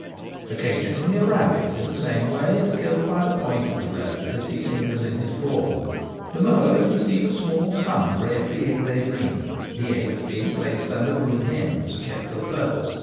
Occasionally a rabbit, in the same way, is killed by the point of the blade as he lingers in his form. The mowers receive a small sum for every egg they bring, the eggs being placed under brood hens, kept for the purpose.